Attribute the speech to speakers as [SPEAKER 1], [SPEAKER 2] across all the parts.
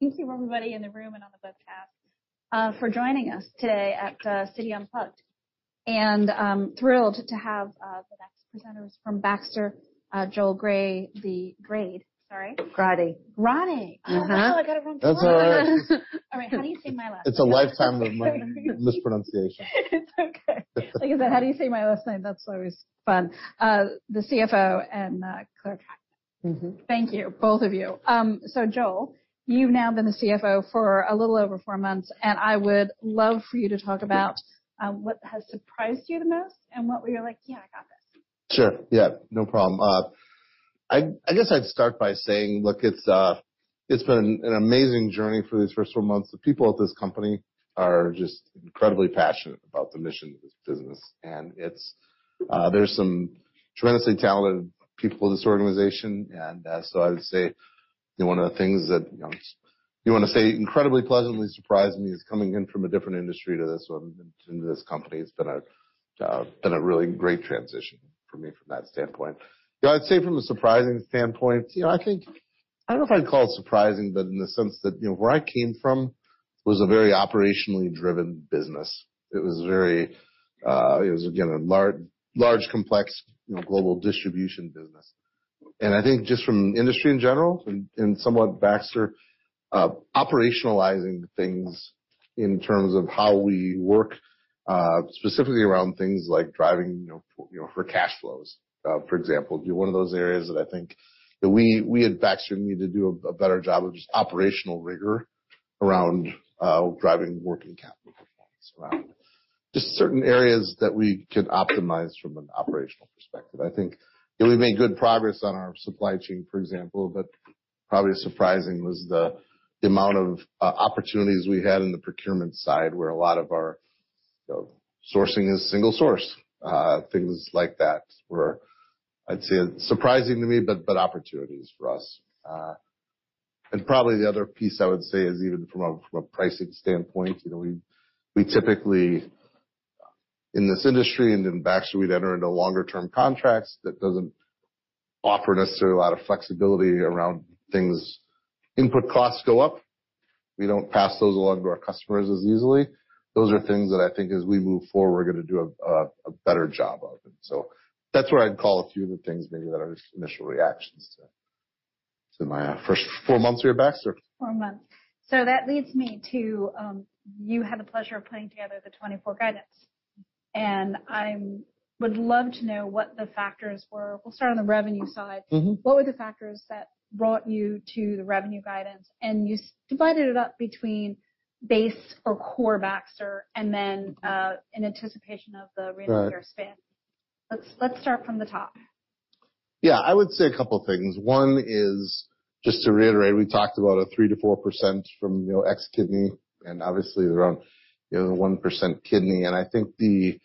[SPEAKER 1] Thank you, everybody in the room and on the webcast, for joining us today at Citi Unplugged. Thrilled to have the next presenters from Baxter, Joel Grade—sorry?
[SPEAKER 2] Grade.
[SPEAKER 1] Grade. Uh-huh. Oh, I got it wrong twice.
[SPEAKER 2] That's all right.
[SPEAKER 1] All right, how do you say my last name?
[SPEAKER 2] It's a lifetime of my mispronunciation.
[SPEAKER 1] It's okay. Like I said, how do you say my last name? That's always fun. The CFO and Clare Trachtman. Thank you, both of you. So Joel, you've now been the CFO for a little over four months, and I would love for you to talk about what has surprised you the most and what where you're like, "Yeah, I got this.
[SPEAKER 2] Sure. Yeah, no problem. I, I guess I'd start by saying, look, it's, it's been an amazing journey for these first four months. The people at this company are just incredibly passionate about the mission of this business, and it's, there's some tremendously talented people in this organization. And, so I would say, you know, one of the things that, you know, it's—you want to say incredibly pleasantly surprised me is coming in from a different industry to this one, into this company. It's been a, been a really great transition for me from that standpoint. You know, I'd say from a surprising standpoint, you know, I think—I don't know if I'd call it surprising, but in the sense that, you know, where I came from was a very operationally driven business. It was very, it was, again, a large, large complex, you know, global distribution business. I think just from industry in general, and somewhat Baxter, operationalizing things in terms of how we work, specifically around things like driving, you know, for, you know, for cash flows, for example, would be one of those areas that I think that we at Baxter need to do a better job of just operational rigor around, driving working capital performance, around just certain areas that we can optimize from an operational perspective. I think, you know, we made good progress on our supply chain, for example, but probably surprising was the amount of opportunities we had in the procurement side where a lot of our, you know, sourcing is single source. Things like that were, I'd say, surprising to me, but opportunities for us. and probably the other piece I would say is even from a pricing standpoint, you know, we typically, in this industry and in Baxter, we'd enter into longer-term contracts that doesn't offer necessarily a lot of flexibility around things. Input costs go up. We don't pass those along to our customers as easily. Those are things that I think, as we move forward, we're going to do a better job of. And so that's where I'd call a few of the things maybe that are just initial reactions to my first four months here at Baxter.
[SPEAKER 3] Four months. So that leads me to, you had the pleasure of putting together the 2024 guidance. And I would love to know what the factors were. We'll start on the revenue side. What were the factors that brought you to the revenue guidance? And you've divided it up between base or core Baxter and then, in anticipation of the renal care spin.
[SPEAKER 2] Right.
[SPEAKER 1] Let's start from the top.
[SPEAKER 2] Yeah, I would say a couple of things. One is, just to reiterate, we talked about a 3%-4% from, you know, ex-kidney and obviously their own, you know, the 1% kidney. And I think the,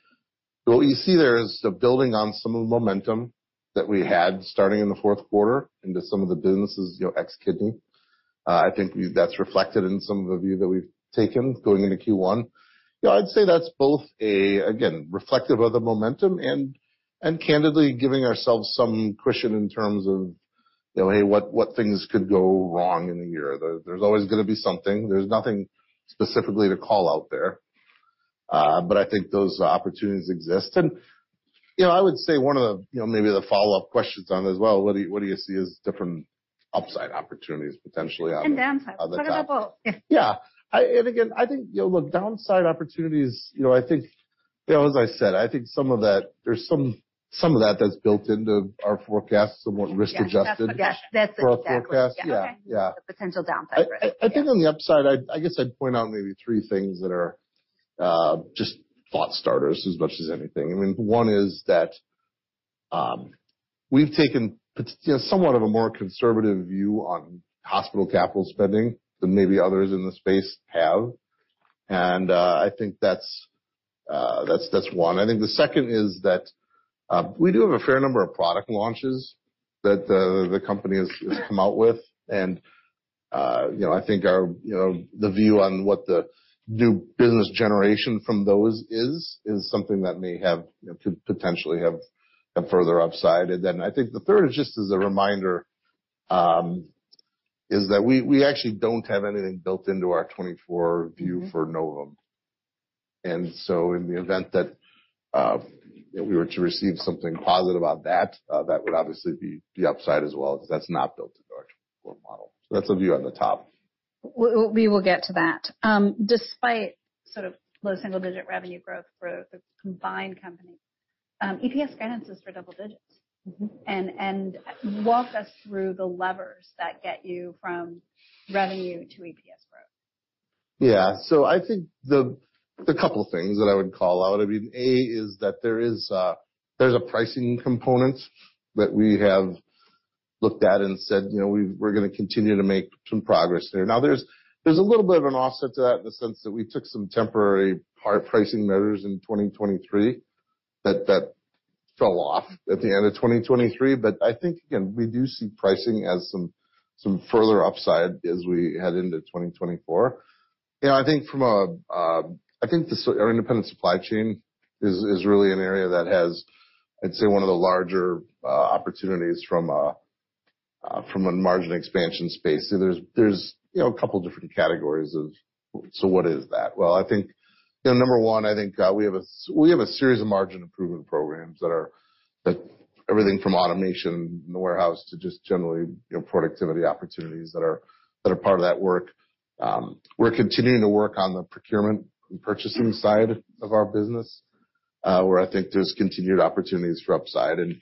[SPEAKER 2] you know, what you see there is the building on some of the momentum that we had starting in the fourth quarter into some of the businesses, you know, ex-kidney. I think that's reflected in some of the view that we've taken going into Q1. You know, I'd say that's both a, again, reflective of the momentum and, and candidly giving ourselves some cushion in terms of, you know, hey, what things could go wrong in the year. There's always going to be something. There's nothing specifically to call out there. But I think those opportunities exist. You know, I would say one of the, you know, maybe the follow-up questions on it as well, what do you see as different upside opportunities potentially on the other side?
[SPEAKER 1] Downside. Talk about both.
[SPEAKER 2] Yeah. And again, I think, you know, look, downside opportunities, you know. I think, you know, as I said, I think some of that, there's some of that that's built into our forecast, somewhat risk-adjusted.
[SPEAKER 1] That's the best suggestion.
[SPEAKER 2] For our forecast. Yeah.
[SPEAKER 1] Okay. Okay.
[SPEAKER 2] Yeah.
[SPEAKER 1] The potential downside risk.
[SPEAKER 2] I think on the upside, I guess I'd point out maybe three things that are just thought starters as much as anything. I mean, one is that we've taken potentially somewhat of a more conservative view on hospital capital spending than maybe others in the space have. And I think that's one. I think the second is that we do have a fair number of product launches that the company has come out with. And you know, I think our view on what the new business generation from those is is something that may have you know, could potentially have further upside. And then I think the third is just as a reminder that we actually don't have anything built into our 2024 view for Novum. And so in the event that, you know, we were to receive something positive on that, that would obviously be upside as well because that's not built into our 2024 model. So that's a view on the top.
[SPEAKER 3] Well, we will get to that. Despite sort of low single-digit revenue growth for the combined company, EPS guidance is for double digits.
[SPEAKER 2] Mm-hmm.
[SPEAKER 1] Walk us through the levers that get you from revenue to EPS growth.
[SPEAKER 2] Yeah. So I think the couple of things that I would call out, I mean, A is that there is, there's a pricing component that we have looked at and said, you know, we've, we're going to continue to make some progress there. Now, there's a little bit of an offset to that in the sense that we took some temporary part pricing measures in 2023 that fell off at the end of 2023. But I think, again, we do see pricing as some further upside as we head into 2024. You know, I think from a, I think the so our independent supply chain is really an area that has, I'd say, one of the larger opportunities from a margin expansion space. So there's, you know, a couple of different categories of so what is that? Well, I think, you know, number one, I think, we have as we have a series of margin improvement programs that are everything from automation in the warehouse to just generally, you know, productivity opportunities that are part of that work. We're continuing to work on the procurement and purchasing side of our business, where I think there's continued opportunities for upside. And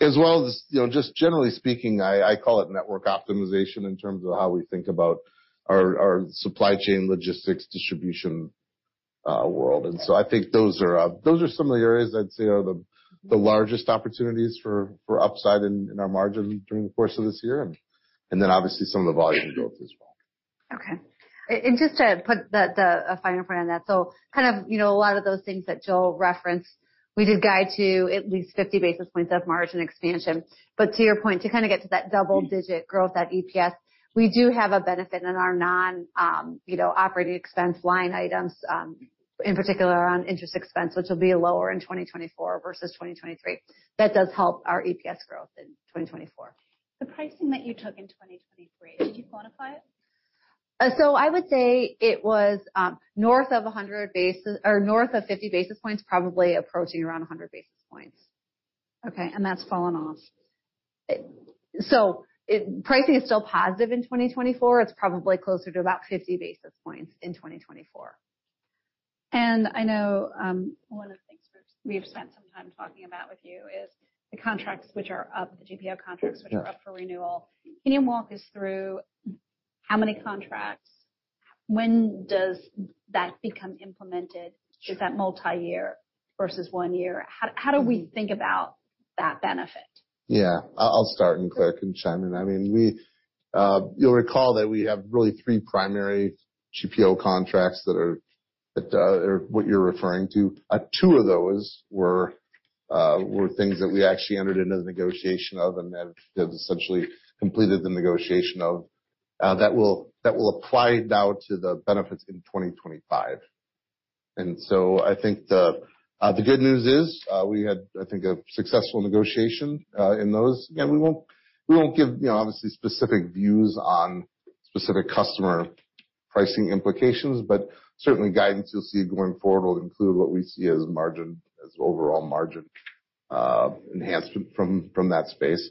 [SPEAKER 2] as well as, you know, just generally speaking, I, I call it network optimization in terms of how we think about our, our supply chain logistics distribution world. And so I think those are, those are some of the areas I'd say are the, the largest opportunities for, for upside in, in our margin during the course of this year. And, and then obviously some of the volume growth as well.
[SPEAKER 1] Okay. And just to put a final point on that, so kind of, you know, a lot of those things that Joel referenced, we did guide to at least 50 basis points of margin expansion. But to your point, to kind of get to that double-digit growth, that EPS, we do have a benefit in our non, you know, operating expense line items, in particular on interest expense, which will be lower in 2024 versus 2023. That does help our EPS growth in 2024. The pricing that you took in 2023, could you quantify it?
[SPEAKER 2] I would say it was north of 100 basis or north of 50 basis points, probably approaching around 100 basis points.
[SPEAKER 1] Okay. And that's fallen off.
[SPEAKER 2] So, pricing is still positive in 2024. It's probably closer to about 50 basis points in 2024.
[SPEAKER 1] I know, one of the things we've, we've spent some time talking about with you is the contracts which are up, the GPO contracts which are up for renewal. Can you walk us through how many contracts, when does that become implemented? Is that multi-year versus one year? How, how do we think about that benefit?
[SPEAKER 2] Yeah. I'll start and Clare can chime in. I mean, you'll recall that we have really three primary GPO contracts that are what you're referring to. Two of those were things that we actually entered into the negotiation of and have essentially completed the negotiation of, that will apply now to the benefits in 2025. And so I think the good news is, we had a successful negotiation in those. Again, we won't give, you know, obviously specific views on specific customer pricing implications, but certainly guidance you'll see going forward will include what we see as margin, as overall margin, enhancement from that space.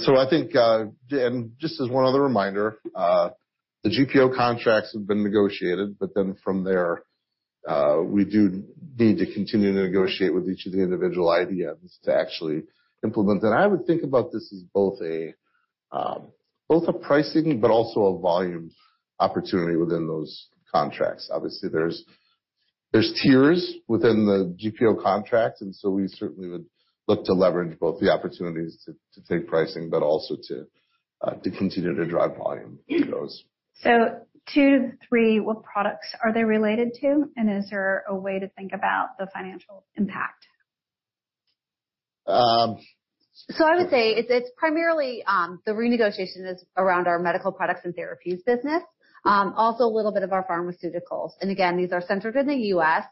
[SPEAKER 2] So I think, and just as one other reminder, the GPO contracts have been negotiated, but then from there, we do need to continue to negotiate with each of the individual IDNs to actually implement. I would think about this as both a, both a pricing but also a volume opportunity within those contracts. Obviously, there's, there's tiers within the GPO contracts, and so we certainly would look to leverage both the opportunities to, to take pricing but also to, to continue to drive volume in those.
[SPEAKER 3] So two to three, what products are they related to? And is there a way to think about the financial impact? So I would say it's primarily, the renegotiation is around our Medical Products and Therapies business, also a little bit of our Pharmaceuticals. And again, these are centered in the U.S.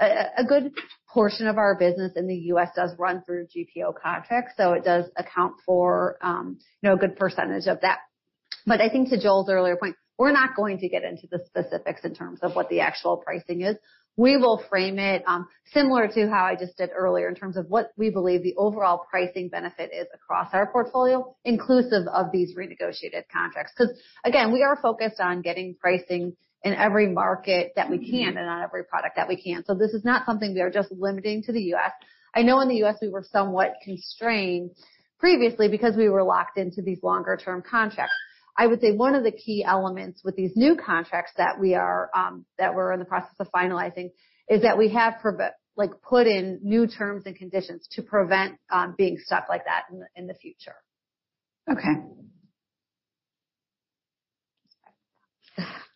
[SPEAKER 3] A good portion of our business in the U.S. does run through GPO contracts, so it does account for, you know, a good percentage of that. But I think to Joel's earlier point, we're not going to get into the specifics in terms of what the actual pricing is. We will frame it, similar to how I just did earlier in terms of what we believe the overall pricing benefit is across our portfolio, inclusive of these renegotiated contracts. Because again, we are focused on getting pricing in every market that we can and on every product that we can. So this is not something we are just limiting to the U.S. I know in the U.S., we were somewhat constrained previously because we were locked into these longer-term contracts. I would say one of the key elements with these new contracts that we are, that we're in the process of finalizing is that we have like, put in new terms and conditions to prevent, being stuck like that in the, in the future. Okay.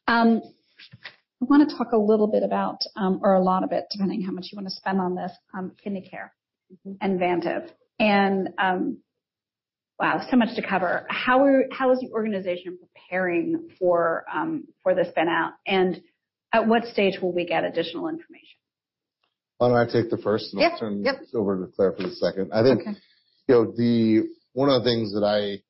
[SPEAKER 3] I want to talk a little bit about, or a lot of it, depending on how much you want to spend on this, Kidney Care and Vantive. And, wow, so much to cover. How is the organization preparing for the spin-out? And at what stage will we get additional information?
[SPEAKER 2] Why don't I take the first, and I'll turn.
[SPEAKER 1] Yep. Yep.
[SPEAKER 2] Over to Clare for the second. I think.
[SPEAKER 1] Okay.
[SPEAKER 2] You know, one of the things I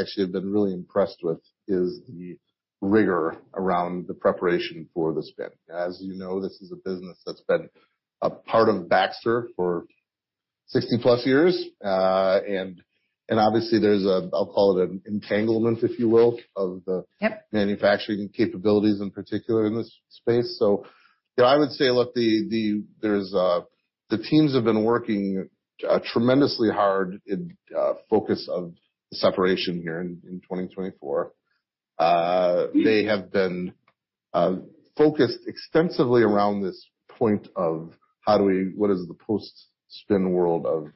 [SPEAKER 2] actually have been really impressed with is the rigor around the preparation for the spin. As you know, this is a business that's been part of Baxter for 60-plus years. Obviously, there's a. I'll call it an entanglement, if you will, of the.
[SPEAKER 1] Yep.
[SPEAKER 2] Manufacturing capabilities in particular in this space. So, you know, I would say, look, the teams have been working tremendously hard in focus of the separation here in 2024. They have been focused extensively around this point of how do we what is the post-spin world of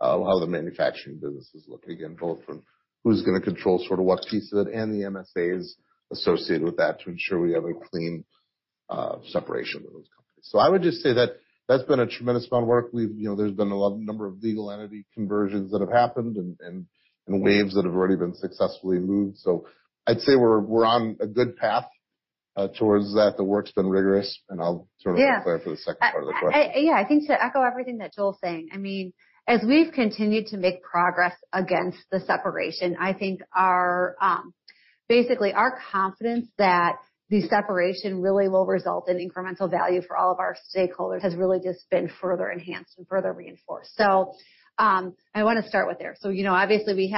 [SPEAKER 2] how the manufacturing business is looking, again, both from who's going to control sort of what piece of it and the MSAs associated with that to ensure we have a clean separation with those companies. So I would just say that that's been a tremendous amount of work. We've, you know, there's been a lot—a number of legal entity conversions that have happened and waves that have already been successfully moved. So I'd say we're on a good path towards that. The work's been rigorous. I'll turn over to Clare for the second part of the question. Yeah. Yeah, I think to echo everything that Joel's saying, I mean, as we've continued to make progress against the separation, I think our basically our confidence that the separation really will result in incremental value for all of our stakeholders has really just been further enhanced and further reinforced. So, I want to start with there. So, you know, obviously, we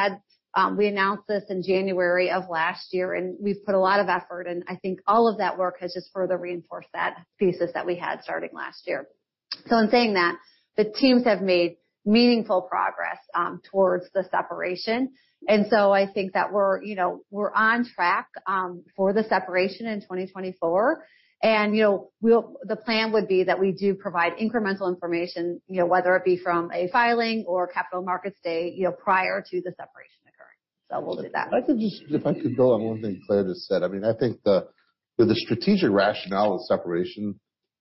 [SPEAKER 2] announced this in January of last year, and we've put a lot of effort. I think all of that work has just further reinforced that thesis that we had starting last year. So in saying that, the teams have made meaningful progress towards the separation. So I think that we're, you know, we're on track for the separation in 2024. You know, well, the plan would be that we do provide incremental information, you know, whether it be from a filing or capital markets day, you know, prior to the separation occurring. So we'll do that. If I could go on one thing Clare just said, I mean, I think the, the strategic rationale of separation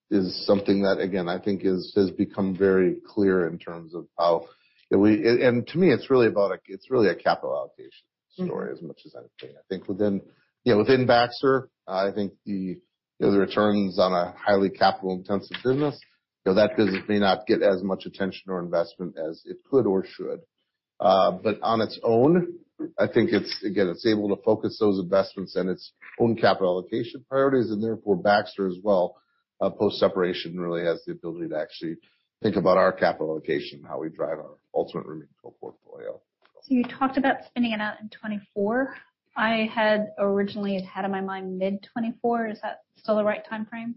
[SPEAKER 2] is something that, again, I think is, has become very clear in terms of how, you know, we and, and to me, it's really about a it's really a capital allocation story as much as anything. I think within, you know, within Baxter, I think the, you know, the returns on a highly capital-intensive business, you know, that business may not get as much attention or investment as it could or should. But on its own, I think it's again, it's able to focus those investments and its own capital allocation priorities. Therefore, Baxter as well, post-separation really has the ability to actually think about our capital allocation and how we drive our ultimate remaining portfolio.
[SPEAKER 1] You talked about spinning it out in 2024. I had originally had in my mind mid-2024. Is that still the right time frame?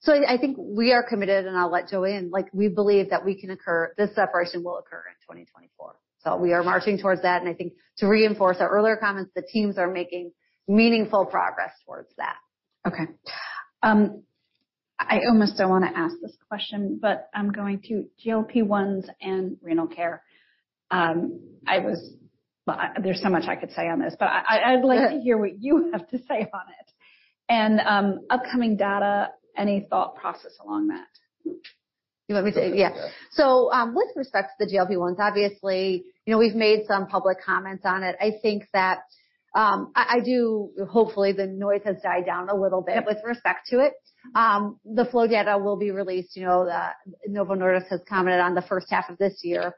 [SPEAKER 3] So, I think we are committed, and I'll let Joel in. Like, we believe that we can occur this separation will occur in 2024. So we are marching towards that. And I think to reinforce our earlier comments, the teams are making meaningful progress towards that.
[SPEAKER 1] Okay. I almost don't want to ask this question, but I'm going to GLP-1s and renal care. Well, there's so much I could say on this, but I'd like to hear what you have to say on it. Upcoming data, any thought process along that?
[SPEAKER 2] You let me say, yeah. So, with respect to the GLP-1s, obviously, you know, we've made some public comments on it. I think that, I, I do hopefully, the noise has died down a little bit with respect to it. The FLOW data will be released. You know, the Novo Nordisk has commented on the first half of this year.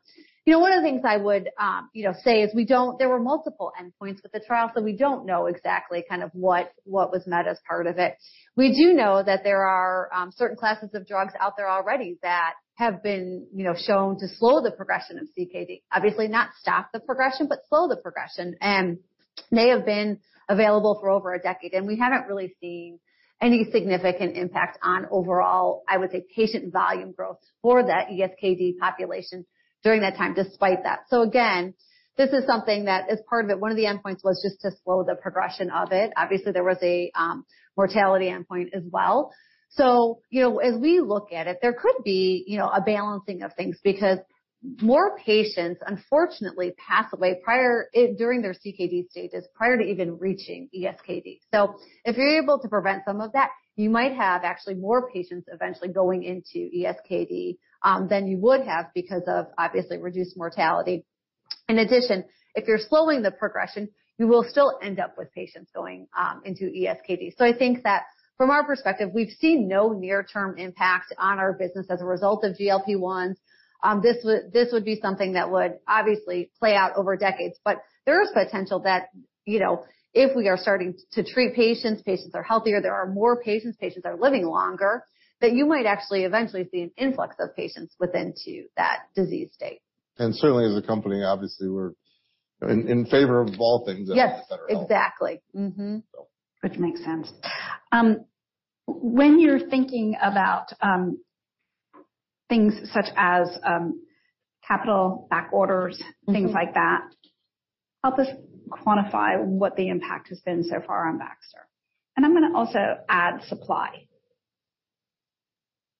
[SPEAKER 2] You know, one of the things I would, you know, say is we don't there were multiple endpoints with the trial, so we don't know exactly kind of what, what was met as part of it. We do know that there are, certain classes of drugs out there already that have been, you know, shown to slow the progression of CKD. Obviously, not stop the progression, but slow the progression. And they have been available for over a decade. We haven't really seen any significant impact on overall, I would say, patient volume growth for that ESKD population during that time, despite that. So again, this is something that is part of it. One of the endpoints was just to slow the progression of it. Obviously, there was a mortality endpoint as well. So, you know, as we look at it, there could be, you know, a balancing of things because more patients, unfortunately, pass away prior during their CKD stages, prior to even reaching ESKD. So if you're able to prevent some of that, you might have actually more patients eventually going into ESKD, than you would have because of, obviously, reduced mortality. In addition, if you're slowing the progression, you will still end up with patients going into ESKD. So I think that from our perspective, we've seen no near-term impact on our business as a result of GLP-1s. This would be something that would obviously play out over decades. But there is potential that, you know, if we are starting to treat patients, patients are healthier, there are more patients, patients are living longer, that you might actually eventually see an influx of patients within to that disease state. Certainly, as a company, obviously, we're in favor of all things as a federal health. Yes. Exactly. Mm-hmm.
[SPEAKER 3] So. Which makes sense. When you're thinking about things such as capital backorders, things like that, help us quantify what the impact has been so far on Baxter. And I'm going to also add supply.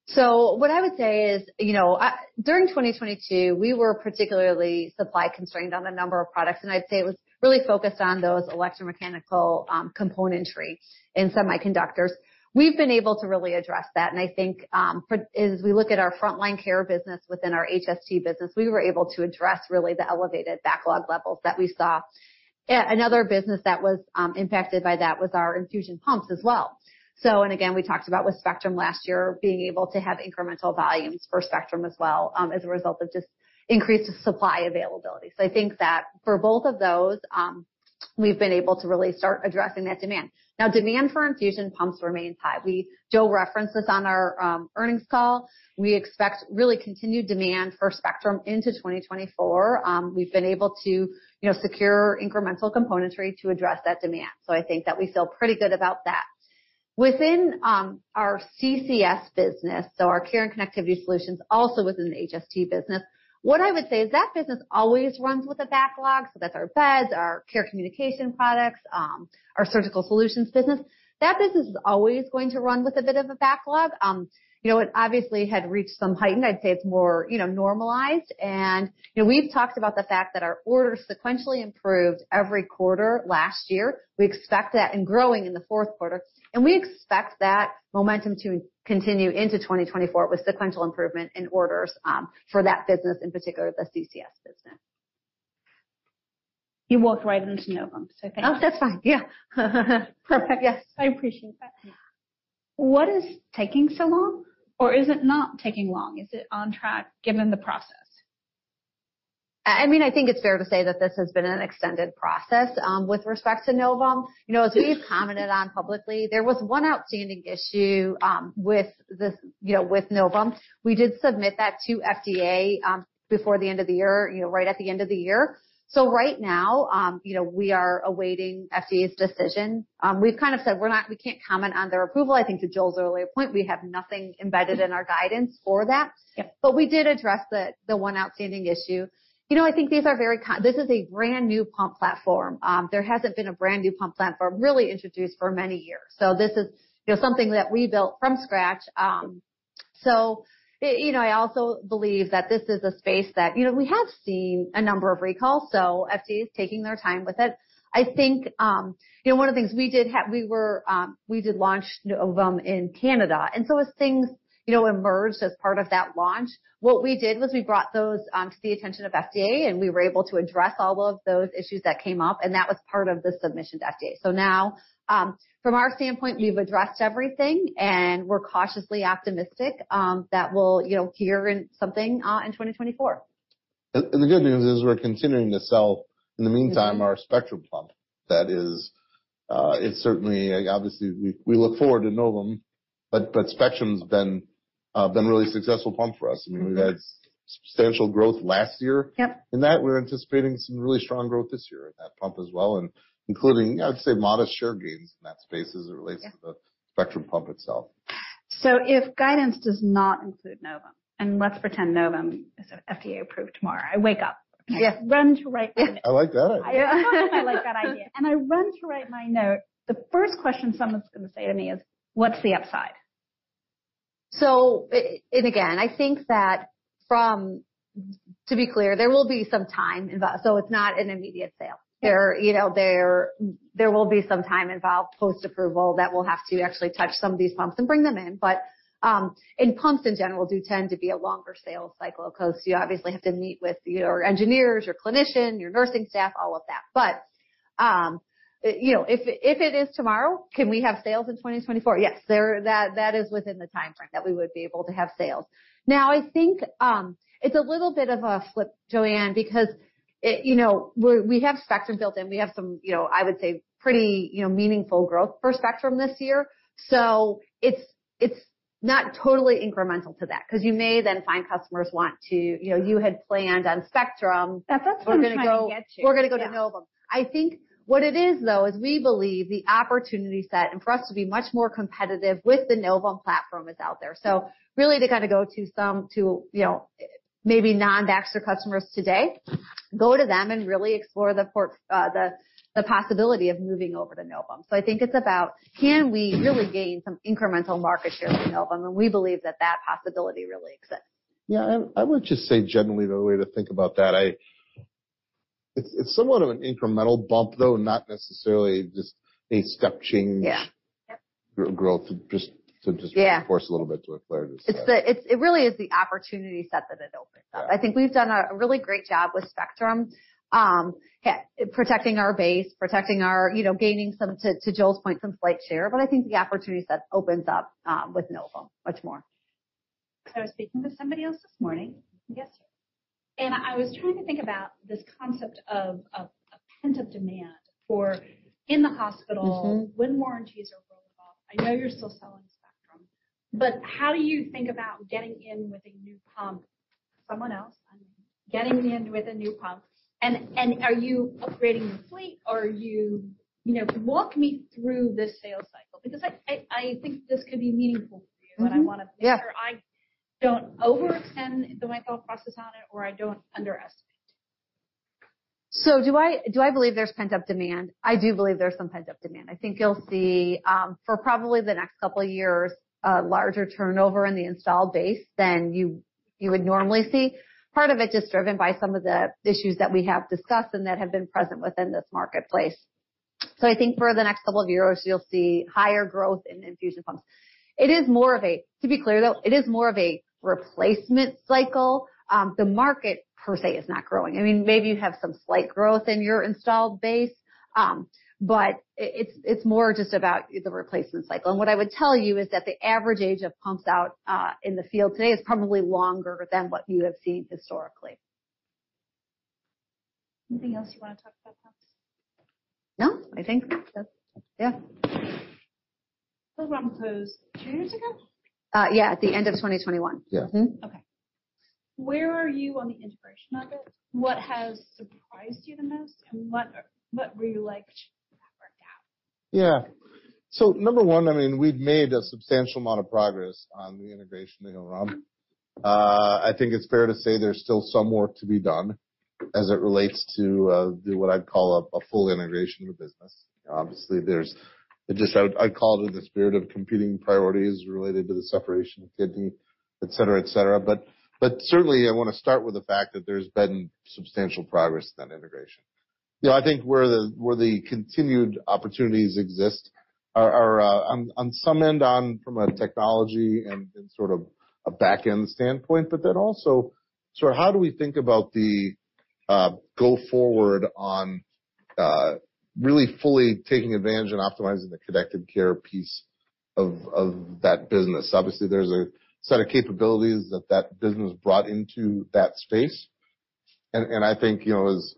[SPEAKER 3] So what I would say is, you know, during 2022, we were particularly supply-constrained on a number of products. And I'd say it was really focused on those electromechanical, componentry in semiconductors. We've been able to really address that. And I think, as we look at our frontline care business within our HST business, we were able to address really the elevated backlog levels that we saw. Another business that was impacted by that was our infusion pumps as well. So and again, we talked about with Spectrum last year being able to have incremental volumes for Spectrum as well, as a result of just increased supply availability. So I think that for both of those, we've been able to really start addressing that demand. Now, demand for infusion pumps remains high. Joel referenced this on our earnings call. We expect really continued demand for Spectrum into 2024. We've been able to, you know, secure incremental componentry to address that demand. So I think that we feel pretty good about that. Within our CCS business, so our care and connectivity solutions, also within the HST business, what I would say is that business always runs with a backlog. So that's our beds, our care communication products, our surgical solutions business. That business is always going to run with a bit of a backlog. You know, it obviously had reached some height, and I'd say it's more, you know, normalized. And, you know, we've talked about the fact that our orders sequentially improved every quarter last year. We expect that and growing in the fourth quarter. And we expect that momentum to continue into 2024 with sequential improvement in orders, for that business in particular, the CCS business.
[SPEAKER 1] You walked right into Novum. So thanks.
[SPEAKER 3] Oh, that's fine. Yeah.
[SPEAKER 1] Perfect.
[SPEAKER 2] Yes.
[SPEAKER 1] I appreciate that. What is taking so long? Or is it not taking long? Is it on track given the process?
[SPEAKER 3] I mean, I think it's fair to say that this has been an extended process, with respect to Novum. You know, as we've commented on publicly, there was one outstanding issue, with this you know, with Novum. We did submit that to FDA, before the end of the year, you know, right at the end of the year. So right now, you know, we are awaiting FDA's decision. We've kind of said we're not we can't comment on their approval. I think to Joel's earlier point, we have nothing embedded in our guidance for that.
[SPEAKER 1] Yep.
[SPEAKER 3] But we did address the one outstanding issue. You know, I think these are very this is a brand new pump platform. There hasn't been a brand new pump platform really introduced for many years. So this is, you know, something that we built from scratch. So you know, I also believe that this is a space that you know, we have seen a number of recalls. So FDA's taking their time with it. I think, you know, one of the things we did we were, we did launch Novum in Canada. And so as things, you know, emerged as part of that launch, what we did was we brought those to the attention of FDA, and we were able to address all of those issues that came up. And that was part of the submission to FDA. Now, from our standpoint, we've addressed everything, and we're cautiously optimistic that we'll, you know, hear something in 2024.
[SPEAKER 2] And the good news is we're continuing to sell, in the meantime, our Spectrum pump that is, it's certainly obviously we look forward to Novum. But Spectrum's been a really successful pump for us. I mean, we've had substantial growth last year.
[SPEAKER 3] Yep.
[SPEAKER 2] In that. We're anticipating some really strong growth this year in that pump as well, and including, I'd say, modest share gains in that space as it relates to the Spectrum pump itself.
[SPEAKER 1] If guidance does not include Novum and let's pretend Novum is FDA-approved tomorrow, I wake up.
[SPEAKER 2] Yes.
[SPEAKER 1] I run to write my note. I like that idea. I like that idea. I run to write my note. The first question someone's going to say to me is, "What's the upside? So, again, I think that, to be clear, there will be some time involved. So it's not an immediate sale. Yep. There, you know, there will be some time involved post-approval that we'll have to actually touch some of these pumps and bring them in. But, and pumps in general do tend to be a longer sales cycle because you obviously have to meet with your engineers, your clinician, your nursing staff, all of that. But, you know, if it is tomorrow, can we have sales in 2024? Yes. That, that is within the time frame that we would be able to have sales. Now, I think, it's a little bit of a flip, Joanne, because, you know, we're we have Spectrum built in. We have some, you know, I would say, pretty, you know, meaningful growth for Spectrum this year. So it's, it's not totally incremental to that because you may then find customers want to, you know, you had planned on Spectrum. That's what I'm trying to get to. We're going to go to Novum. I think what it is, though, is we believe the opportunity set and for us to be much more competitive with the Novum platform is out there. So really to kind of go to some, you know, maybe non-Baxter customers today, go to them and really explore the possibility of moving over to Novum. So I think it's about, can we really gain some incremental market share for Novum? And we believe that that possibility really exists.
[SPEAKER 2] Yeah. I would just say generally, the way to think about that, it's somewhat of an incremental bump, though, not necessarily just a step-change.
[SPEAKER 3] Yeah. Yep.
[SPEAKER 2] Growth, just to reinforce a little bit to what Clare just said.
[SPEAKER 3] It's really the opportunity set that it opens up. I think we've done a really great job with Spectrum, protecting our base, protecting our, you know, gaining some, to Joel's point, some flight share. But I think the opportunity set opens up with Novum much more.
[SPEAKER 1] So I was speaking with somebody else this morning. Yes, sir. And I was trying to think about this concept of a pent-up demand for in the hospital, when warranties are rolled off. I know you're still selling Spectrum. But how do you think about getting in with a new pump someone else, unnamed getting in with a new pump? And are you upgrading your fleet, or are you, you know, walk me through this sales cycle because I think this could be meaningful for you. And I want to make sure I don't overextend my thought process on it or I don't underestimate.
[SPEAKER 3] So, do I believe there's pent-up demand? I do believe there's some pent-up demand. I think you'll see, for probably the next couple of years, a larger turnover in the installed base than you would normally see. Part of it just driven by some of the issues that we have discussed and that have been present within this marketplace. So I think for the next couple of years, you'll see higher growth in infusion pumps. It is more of a, to be clear, though, it is more of a replacement cycle. The market, per se, is not growing. I mean, maybe you have some slight growth in your installed base. But it's more just about the replacement cycle. And what I would tell you is that the average age of pumps out in the field today is probably longer than what you have seen historically.
[SPEAKER 4] Anything else you want to talk about pumps?
[SPEAKER 2] No. I think that's yeah.
[SPEAKER 1] Program posed two years ago?
[SPEAKER 3] Yeah, at the end of 2021.
[SPEAKER 2] Yeah. Mm-hmm.
[SPEAKER 1] Okay. Where are you on the integration of it? What has surprised you the most? And what, what did you like that worked out? Yeah. So number one, I mean, we've made a substantial amount of progress on the integration of the Hillrom. I think it's fair to say there's still some work to be done as it relates to what I'd call a full integration of the business. Obviously, there's just I would, I'd call it in the spirit of competing priorities related to the separation of kidney, etc., etc. But, but certainly, I want to start with the fact that there's been substantial progress in that integration. You know, I think where the continued opportunities exist are on some end, from a technology and sort of a backend standpoint, but then also sort of how do we think about the go forward on really fully taking advantage and optimizing the connected care piece of that business? Obviously, there's a set of capabilities that business brought into that space. And I think, you know, there's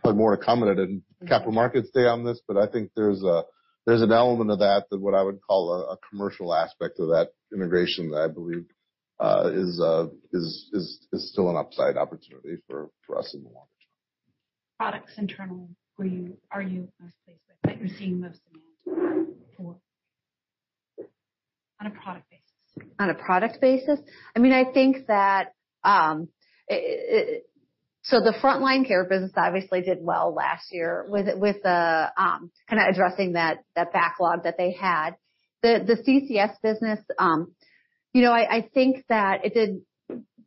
[SPEAKER 1] probably more to come at it in capital markets day on this. But I think there's an element of that what I would call a commercial aspect of that integration that I believe is still an upside opportunity for us in the longer term. Products internally, where are you most pleased with that you're seeing most demand for on a product basis?
[SPEAKER 3] On a product basis? I mean, I think that the frontline care business obviously did well last year with the kind of addressing that backlog that they had. The CCS business, you know, I think that it did.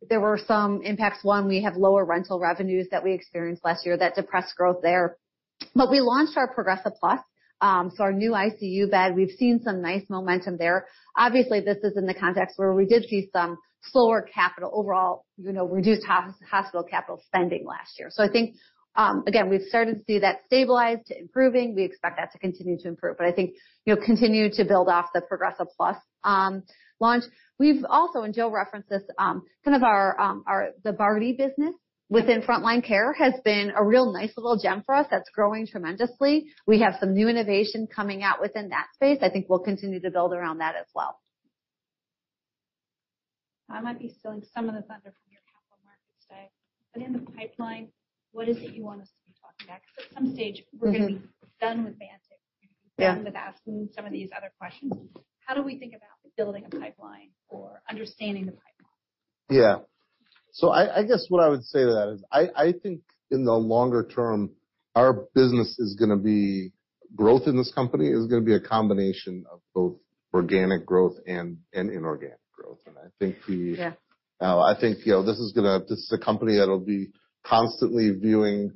[SPEAKER 3] There were some impacts. One, we have lower rental revenues that we experienced last year. That depressed growth there. But we launched our Progressa Plus, so our new ICU bed. We've seen some nice momentum there. Obviously, this is in the context where we did see some slower capital overall, you know, reduced hospital capital spending last year. So I think, again, we've started to see that stabilize to improving. We expect that to continue to improve. But I think, you know, continue to build off the Progressa Plus launch. We've also, and Joel referenced this, kind of our the BARD business within frontline care has been a real nice little gem for us that's growing tremendously. We have some new innovation coming out within that space. I think we'll continue to build around that as well.
[SPEAKER 1] I might be stealing some of this from your Capital Markets Day. But in the pipeline, what is it you want us to be talking about? Because at some stage, we're going to be done with Vantive. We're going to be done with asking some of these other questions. How do we think about building a pipeline or understanding the pipeline?
[SPEAKER 2] Yeah. So I guess what I would say to that is I think in the longer term, our business is going to be growth in this company is going to be a combination of both organic growth and inorganic growth. And I think the.
[SPEAKER 3] Yeah.
[SPEAKER 2] I think, you know, this is a company that'll be constantly viewing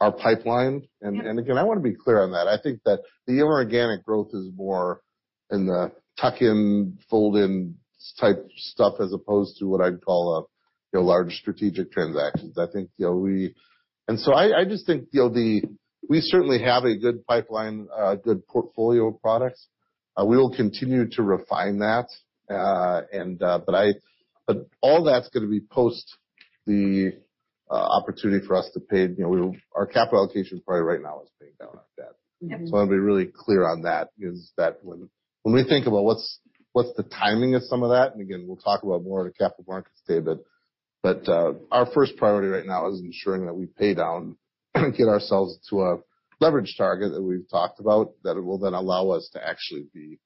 [SPEAKER 2] our pipeline. And again, I want to be clear on that. I think that the inorganic growth is more in the tuck-in, fold-in type stuff as opposed to what I'd call, you know, large strategic transactions. I think, you know, we certainly have a good pipeline, good portfolio of products. We will continue to refine that, but all that's going to be post the opportunity for us to pay. You know, our capital allocation priority right now is paying down our debt. So I want to be really clear on that, is that when we think about what's the timing of some of that and again, we'll talk about more at a capital markets day. But, our first priority right now is ensuring that we pay down, get ourselves to a leverage target that we've talked about that will then allow us to actually be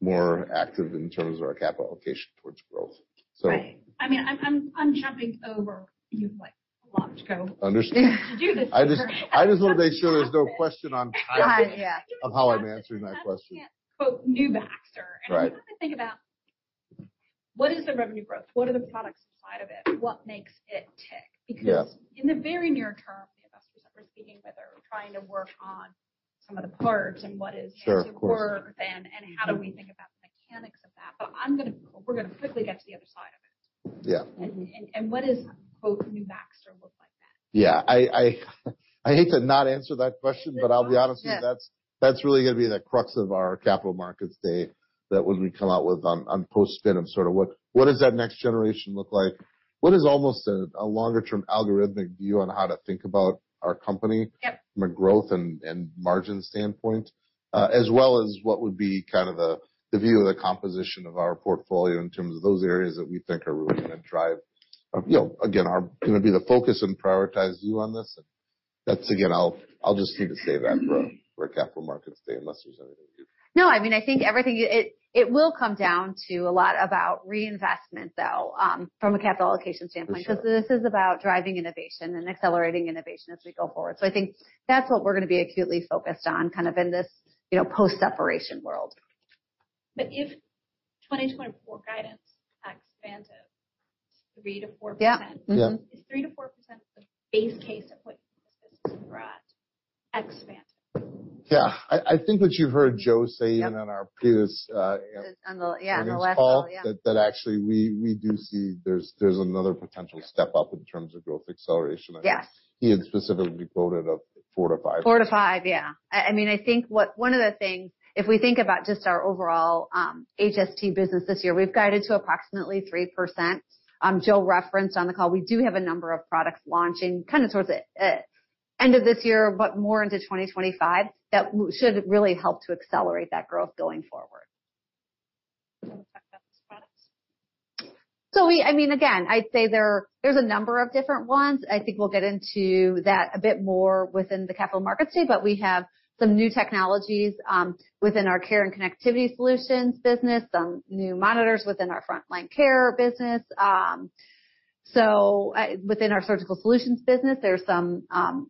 [SPEAKER 2] more active in terms of our capital allocation towards growth. So.
[SPEAKER 3] Right. I mean, I'm jumping over you've, like, a lot to go.
[SPEAKER 1] Understood. To do this conversation. I just want to make sure there's no question on timing.
[SPEAKER 2] Time, yeah. Of how I'm answering that question.
[SPEAKER 1] I can't quote "New Baxter." I want to think about, what is the revenue growth? What are the products inside of it? What makes it tick? Because in the very near term, the investors that we're speaking with are trying to work on some of the parts and what is.
[SPEAKER 2] Sure, of course.
[SPEAKER 1] Their worth and how do we think about the mechanics of that. But we're going to quickly get to the other side of it.
[SPEAKER 2] Yeah.
[SPEAKER 1] What does "New Baxter" look like then?
[SPEAKER 2] Yeah. I hate to not answer that question. But I'll be honest with you. That's really going to be the crux of our capital markets day that when we come out with on post-spin of sort of what does that next generation look like? What is almost a longer-term algorithmic view on how to think about our company?
[SPEAKER 1] Yep.
[SPEAKER 2] From a growth and margin standpoint, as well as what would be kind of the view of the composition of our portfolio in terms of those areas that we think are really going to drive, you know, again, the focus and prioritize you on this. And that's, again, I'll just need to say that for a capital markets day unless there's anything new. No. I mean, I think everything, it will come down to a lot about reinvestment, though, from a capital allocation standpoint because this is about driving innovation and accelerating innovation as we go forward. So I think that's what we're going to be acutely focused on kind of in this, you know, post-separation world.
[SPEAKER 1] But if 2024 guidance expanded 3%-4%.
[SPEAKER 3] Yeah. Yeah.
[SPEAKER 1] Is 3%-4% the base case of what this business brought expanded?
[SPEAKER 2] Yeah. I think what you've heard Joe say in our previous,
[SPEAKER 3] Is on the, yeah, on the left column.
[SPEAKER 2] Install that actually we do see there's another potential step up in terms of growth acceleration. Yes. He had specifically quoted of 4%-5%.
[SPEAKER 3] four to five, yeah. I mean, I think one of the things if we think about just our overall HST business this year, we've guided to approximately 3%. Joe referenced on the call, we do have a number of products launching kind of towards the end of this year, but more into 2025 that should really help to accelerate that growth going forward.
[SPEAKER 1] You want to talk about those products?
[SPEAKER 3] So, I mean, again, I'd say there's a number of different ones. I think we'll get into that a bit more within the Capital Markets Day. But we have some new technologies within our Care and Connectivity Solutions business, some new monitors within our Frontline Care business. So within our Surgical Solutions business, there's some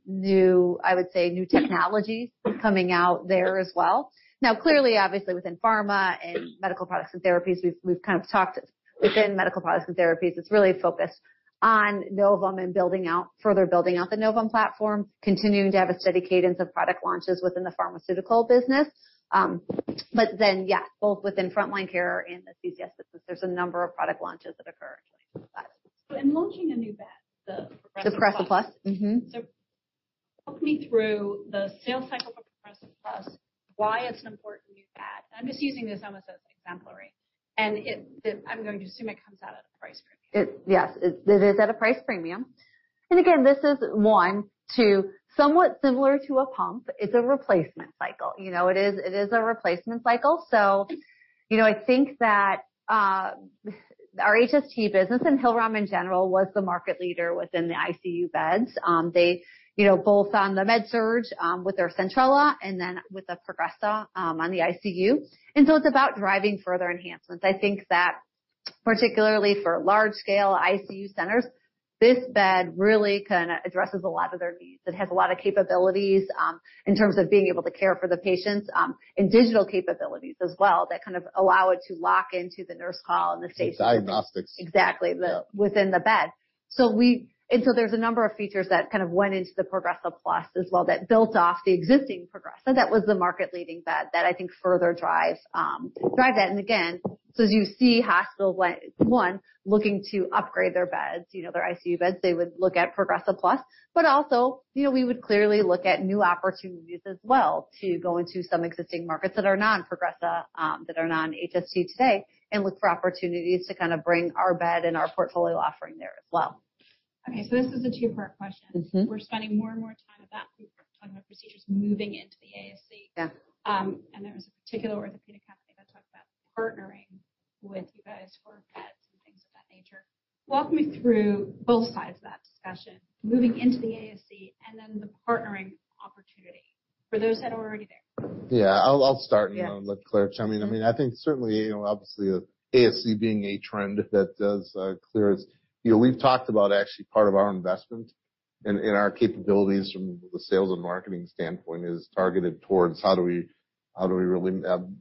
[SPEAKER 3] new, I would say, new technologies coming out there as well. Now, clearly, obviously, within pharma and Medical Products and Therapies, we've kind of talked; within Medical Products and Therapies, it's really focused on Novum and building out the Novum platform, continuing to have a steady cadence of product launches within the Pharmaceutical business. But then, yeah, both within Frontline Care and the CCS business, there's a number of product launches that occur in 2025.
[SPEAKER 1] In launching a new bed, the Progressive Plus.
[SPEAKER 3] The Progressive Plus.
[SPEAKER 1] Walk me through the sales cycle for Progressive Plus, why it's an important new bed. And I'm just using this almost as an example. And I'm going to assume it comes out at a price premium.
[SPEAKER 3] It, yes. It is at a price premium. And again, this is one, two, somewhat similar to a pump. It's a replacement cycle. You know, it is it is a replacement cycle. So, you know, I think that, our HST business and Hillrom in general was the market leader within the ICU beds. They, you know, both on the MedSurg, with our Centrella and then with the Progressa, on the ICU. And so it's about driving further enhancements. I think that particularly for large-scale ICU centers, this bed really kind of addresses a lot of their needs. It has a lot of capabilities, in terms of being able to care for the patients, and digital capabilities as well that kind of allow it to lock into the nurse call and the stage number.
[SPEAKER 2] The diagnostics.
[SPEAKER 3] Exactly. Then within the bed. So, and so there's a number of features that kind of went into the Progressive Plus as well that built off the existing Progressa. That was the market-leading bed that I think further drives, drives that. And again, so as you see hospitals went one, looking to upgrade their beds, you know, their ICU beds, they would look at Progressive Plus. But also, you know, we would clearly look at new opportunities as well to go into some existing markets that are non-Progressa, that are non-HST today and look for opportunities to kind of bring our bed and our portfolio offering there as well.
[SPEAKER 1] Okay. So this is a two-part question. We're spending more and more time on that. We're talking about procedures moving into the ASC.
[SPEAKER 2] Yeah.
[SPEAKER 1] There was a particular orthopedic company that talked about partnering with you guys for beds and things of that nature. Walk me through both sides of that discussion, moving into the ASC and then the partnering opportunity for those that are already there.
[SPEAKER 2] Yeah. I'll start.
[SPEAKER 3] Yeah.
[SPEAKER 2] You know, let Clare chime in. I mean, I think certainly, you know, obviously, the ASC being a trend that does, Clare is, you know, we've talked about actually part of our investment in, in our capabilities from the sales and marketing standpoint is targeted towards how do we how do we really,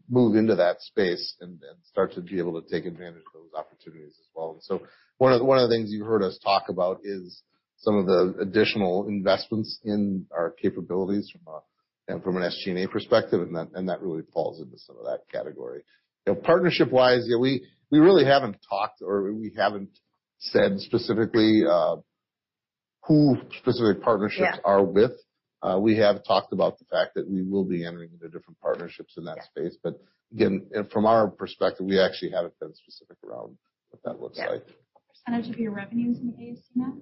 [SPEAKER 2] move into that space and, and start to be able to take advantage of those opportunities as well. And so one of the one of the things you've heard us talk about is some of the additional investments in our capabilities from a and from an SG&A perspective. And that and that really falls into some of that category. You know, partnership-wise, you know, we, we really haven't talked or we haven't said specifically, who specific partnerships.
[SPEAKER 3] Yeah.
[SPEAKER 2] As with, we have talked about the fact that we will be entering into different partnerships in that space. But again, from our perspective, we actually haven't been specific around what that looks like.
[SPEAKER 1] Yeah. What percentage of your revenue is in the ASC now?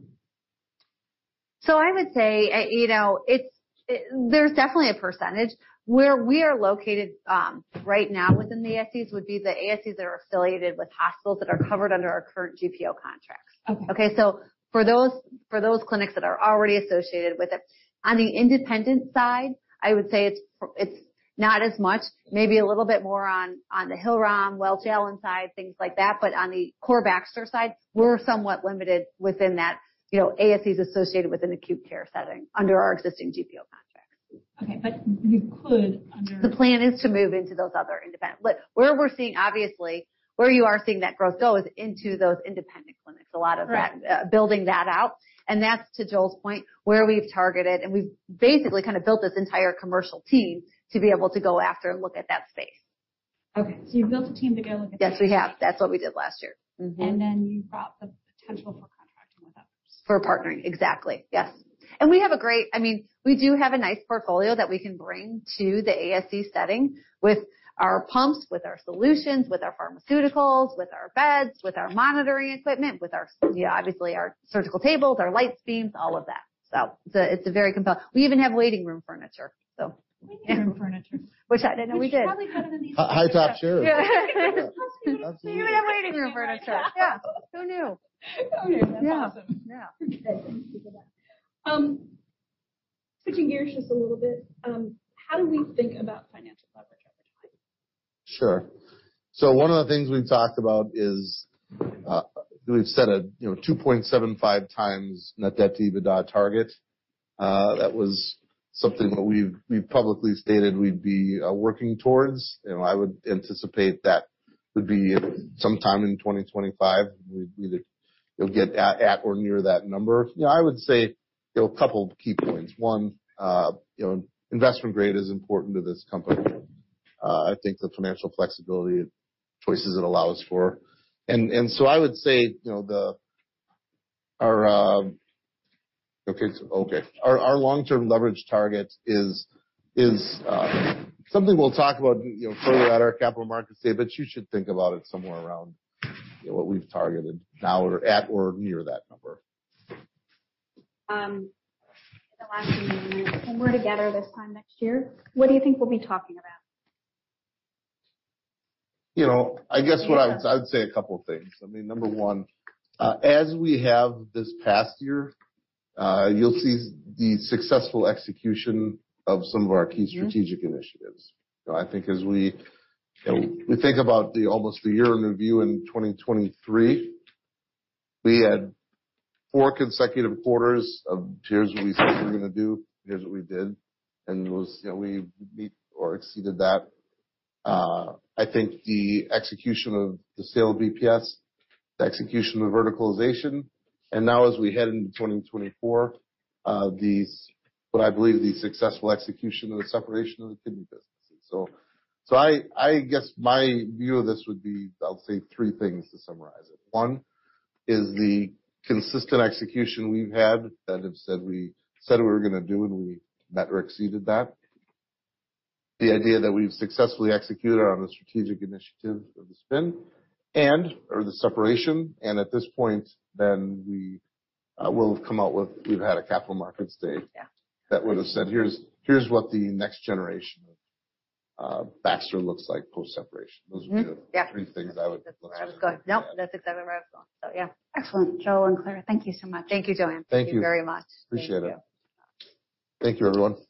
[SPEAKER 3] I would say, you know, there's definitely a percentage. Where we are located right now within the ASCs would be the ASCs that are affiliated with hospitals that are covered under our current GPO contracts.
[SPEAKER 1] Okay.
[SPEAKER 3] Okay? So for those clinics that are already associated with it, on the independent side, I would say it's not as much, maybe a little bit more on the Hillrom, well-challenged side, things like that. But on the core Baxter side, we're somewhat limited within that, you know, ASCs associated with an acute care setting under our existing GPO contracts.
[SPEAKER 1] Okay. But you could under.
[SPEAKER 3] The plan is to move into those other independents where we're seeing, obviously, where you are seeing that growth go is into those independent clinics, a lot of that.
[SPEAKER 4] Right.
[SPEAKER 2] Building that out. That's, to Joel's point, where we've targeted. We've basically kind of built this entire commercial team to be able to go after and look at that space.
[SPEAKER 1] Okay. So you've built a team to go look at that.
[SPEAKER 3] Yes, we have. That's what we did last year. Citi Unplugged
[SPEAKER 1] Then you brought the potential for contracting with others.
[SPEAKER 3] For partnering. Exactly. Yes. And we have a great—I mean, we do have a nice portfolio that we can bring to the ASC setting with our pumps, with our solutions, with our pharmaceuticals, with our beds, with our monitoring equipment, with our—you know, obviously, our surgical tables, our light beams, all of that. So it's a—it's a very compelling. We even have waiting room furniture, so.
[SPEAKER 4] We need room furniture.
[SPEAKER 3] Which I didn't know we did.
[SPEAKER 1] Which is probably better than these things.
[SPEAKER 2] high-top chairs.
[SPEAKER 3] Yeah. Absolutely. We even have waiting room furniture. Yeah. Who knew?
[SPEAKER 1] Who knew? That's awesome.
[SPEAKER 2] Yeah. Yeah. Good. Thank you for that. Switching gears just a little bit, how do we think about financial leverage over time? Sure. So one of the things we've talked about is we've set a 2.75x net debt EBITDA target. That was something that we've publicly stated we'd be working towards. You know, I would anticipate that would be sometime in 2025. We'd either, you know, get at or near that number. You know, I would say a couple of key points. One, you know, investment grade is important to this company. I think the financial flexibility choices it allows for. And so I would say, you know, our long-term leverage target is something we'll talk about further at our capital markets day. But you should think about it somewhere around what we've targeted now or at or near that number.
[SPEAKER 1] In the last few minutes, when we're together this time next year, what do you think we'll be talking about?
[SPEAKER 2] You know, I guess what I would say a couple of things. I mean, number one, as we have this past year, you'll see the successful execution of some of our key strategic initiatives. You know, I think as we, you know, we think about the almost a year in review in 2023, we had four consecutive quarters of, "Here's what we said we were going to do. Here's what we did." And it was, you know, we meet or exceeded that. I think the execution of the sale of BPS, the execution of verticalization, and now as we head into 2024, these what I believe the successful execution of the separation of the kidney business. And so I guess my view of this would be. I'll say three things to summarize it. One is the consistent execution we've had. That said, we said we were going to do, and we met or exceeded that, the idea that we've successfully executed on the strategic initiative of the spin and/or the separation. And at this point, then we will have come out with. We've had a capital markets day. Yeah. That would have said, "Here's what the next generation of Baxter looks like post-separation." Those would be the three things I would look at.
[SPEAKER 3] Yeah. That was good. Nope. That's exactly where I was going. So yeah.
[SPEAKER 1] Excellent. Joel and Clare, thank you so much.
[SPEAKER 2] Thank you.
[SPEAKER 1] Thank you very much.
[SPEAKER 3] Thank you. Appreciate it.
[SPEAKER 2] Thank you.
[SPEAKER 3] Thank you, everyone.